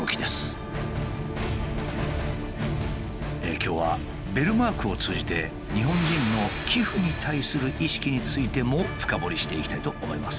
今日はベルマークを通じて日本人の寄付に対する意識についても深掘りしていきたいと思います。